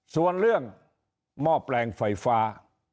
ส่วนเรื่องหม้อแปลงไฟฟ้า